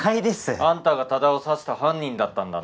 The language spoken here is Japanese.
あんたが多田を刺した犯人だったんだな。